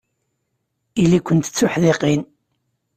Ili-kent d tuḥdiqin.